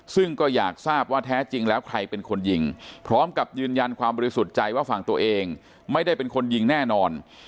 ซึ่งก็อยากทราบว่าแท้จริงแล้วใครเป็นคนยิงพร้อมกับยืนยันความบริสุทธิ์ใจว่าฝั่งตัวเองไม่ได้เป็นคนยิงแน่นอน